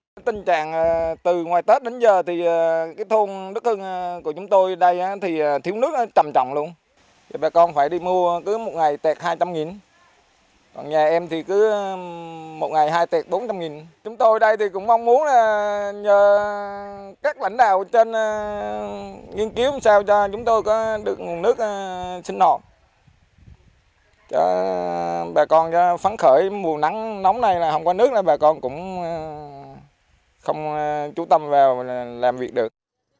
các lãnh đạo trên nghiên cứu làm sao cho chúng tôi có được nguồn nước sinh hoạt bà con phán khởi mùa nắng nóng này là không có nước bà con cũng không trú tâm vào làm việc được